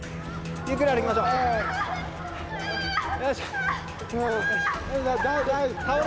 ゆっくり休みましょうね。